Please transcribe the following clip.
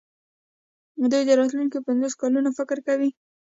دوی د راتلونکو پنځوسو کلونو فکر کوي.